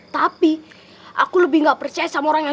kalau aku sih ya bukan yang gak percaya sama riko mang